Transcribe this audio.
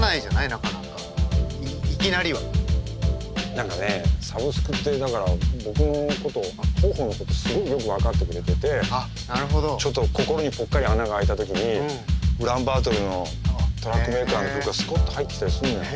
なかなかいきなりは。何かねサブスクってだから僕のこと豊豊のことすごいよく分かってくれててちょっと心にぽっかり穴が開いた時にウランバートルのトラックメーカーの曲がスコッと入ってきたりするのよ。